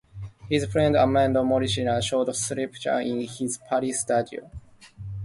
His friend Amedeo Modigliani showed sculptures in his Paris studio.